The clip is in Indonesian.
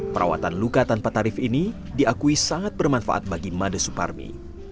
perawatan luka tanpa tarif ini diakui sangat bermanfaat bagi made suparmi